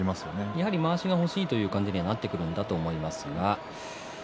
やはり、まわしが欲しいという感じになってくるんだと思います。